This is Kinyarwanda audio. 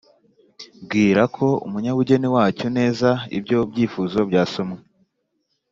bwira ko umunyabugeni wacyo neza ibyo byifuzo byasomwe